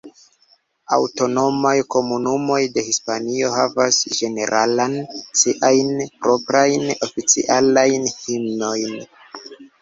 Aŭtonomaj komunumoj de Hispanio havas ĝenerale siajn proprajn oficialajn himnojn.